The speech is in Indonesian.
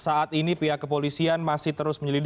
hanya saat ini pihak kepolisian masih terus menyelamatkan